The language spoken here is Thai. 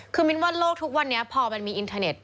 คือมิ้นว่าโลกทุกวันนี้พอมันมีอินเทอร์เน็ต